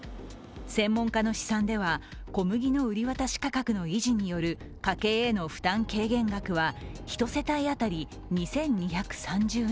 専門家の試算では、小麦の売り渡し価格の維持による家計への負担軽減額は１世帯当たり２２３０円。